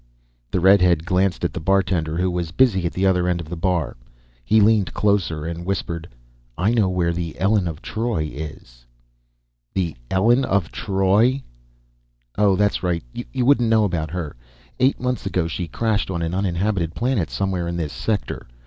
The redhead glanced at the bartender who was busy at the other end of the bar. He leaned closer and whispered. "I know where the Elen of Troy is." "The Elen of Troy?" "Oh, that's right, you wouldn't know about her. Eight months ago she crashed on an uninhabited planet somewhere in this sector.